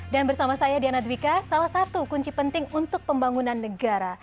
dan bersama saya diana dwiqa salah satu kunci penting untuk pembangunan negara